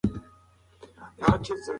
د شپې لخوا وختي ویده شئ.